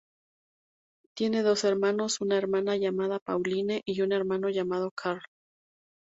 Tiene dos hermanos, una hermana llamada Pauline y un hermano llamado Carl.